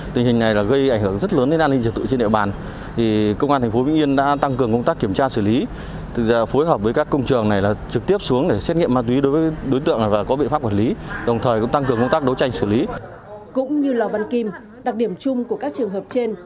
tình hình này gây ảnh hưởng rất lớn đến an ninh trật tự trên địa bàn công an thành phố vĩnh yên đã tăng cường công tác kiểm tra xử lý thực ra phối hợp với các công trường này là trực tiếp xuống để xét nghiệm ma túy đối với đối tượng và có biện pháp quản lý đồng thời cũng tăng cường công tác đấu tranh xử lý